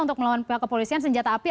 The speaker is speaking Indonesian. untuk melawan pihak kepolisian senjata api